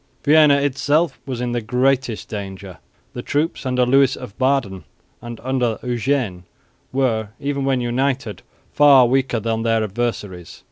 Vienna itself was in the greatest danger. The troops under Lewis of Baden and under Eugene were, even when united, far weaker than their adversaries.